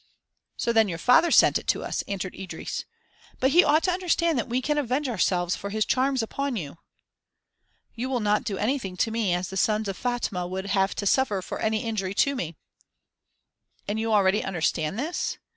"So then your father sent it to us," answered Idris, "but he ought to understand that we can avenge ourselves for his charms upon you." "You will not do anything to me as the sons of Fatma would have to suffer for any injury to me." "And you already understand this?